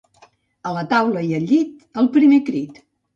A la taula i al llit al primer crit.